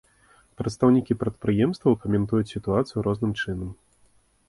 Прадстаўнікі прадпрыемстваў каментуюць сітуацыю розным чынам.